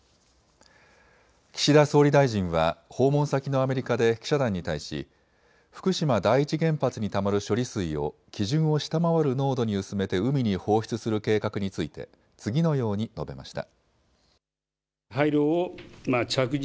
岸田総理大臣は訪問先のアメリカで記者団に対し福島第一原発にたまる処理水を基準を下回る濃度に薄めて海に放出する計画について次のように述べました。